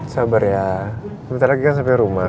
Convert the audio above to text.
sabar ya sebentar lagi kan sampai rumah